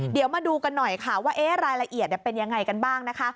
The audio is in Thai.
เดี๋ยวมาดูกันหน่อยค่ะว่ารายละเอียดเป็นยังไงกันบ้างนะคะ